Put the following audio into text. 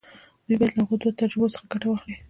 دوی بايد له هغو دوو تجربو څخه ګټه واخلي.